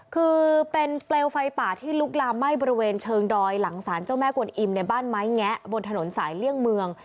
คือเป็นเปลวไฟป่าที่ลุกลามไหม้บริเวณเชิงดอยหลังสารเจ้าแม่กวนอิมในบ้านไม้แงะบนถนนสายเลี่ยงเมือง